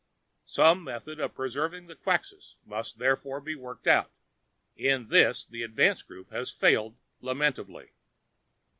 Some method of preserving the Quxas must therefore be worked out. In this, the advance group has failed lamentably."